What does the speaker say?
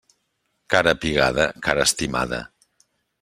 Cara pigada, cara estimada.